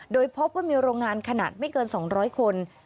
โดยพบว่ามีโรงงานขนาดไม่เกิน๒๐๐คน